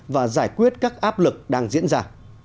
và giải quyết các áp lực đang diễn ra